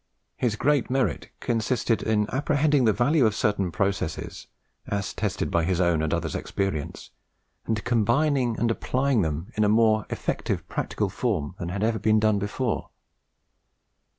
His great merit consisted in apprehending the value of certain processes, as tested by his own and others' experience, and combining and applying them in a more effective practical form than had ever been done before.